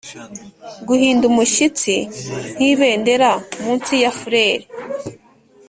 guhinda umushyitsi nkibendera munsi ya flail.